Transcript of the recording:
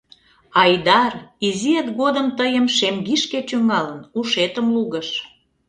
Айдар, изиэт годым тыйым шемгишке чӱҥгалын, ушетым лугыш.